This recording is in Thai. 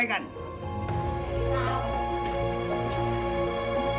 ก็ยังมีปัญหาราคาเข้าเปลือกก็ยังลดต่ำลง